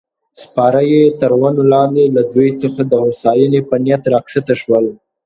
سپاره یې تر ونو لاندې له دوی څخه د هوساینې په نیت راکښته شول.